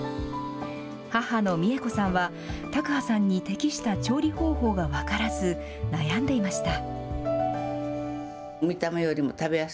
母の美枝子さんは、卓巴さんに適した調理方法が分からず、悩んでいました。